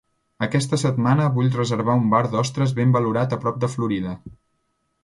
Aquesta setmana vull reservar un bar d'ostres ben valorat a prop de Florida.